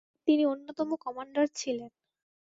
তিনি অন্যতম কমান্ডার ছিলেন।